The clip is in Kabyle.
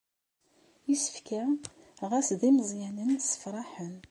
Isefka, ɣas d imeẓyanen, ssefṛaḥen.